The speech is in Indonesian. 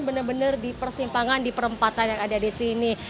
benar benar di persimpangan di perempatan yang ada di sini